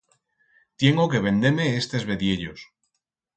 Tiengo que vender-me estes vediellos.